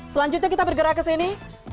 selanjutnya kita bergerak ke sini